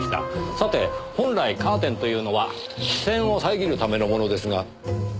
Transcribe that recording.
さて本来カーテンというのは視線を遮るためのものですが。